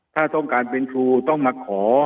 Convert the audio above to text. ถ้าต้องการเป็นครูต้องมาขอ